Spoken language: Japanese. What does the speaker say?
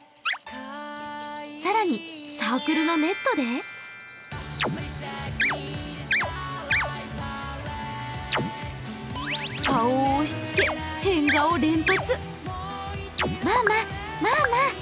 さらに、サークルのネットで顔を押しつけ変顔連発。